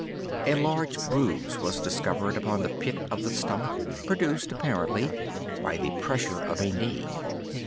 A large bruise was discovered upon the pit of the stomach, produced, apparently, by the pressure of a knee.